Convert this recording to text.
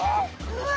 うわ。